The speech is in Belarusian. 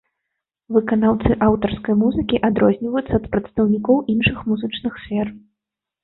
Выканаўцы аўтарскай музыкі адрозніваюцца ад прадстаўнікоў іншых музычных сфер.